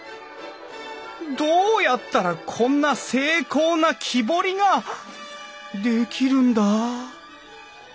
どうやったらこんな精巧な木彫りができるんだ？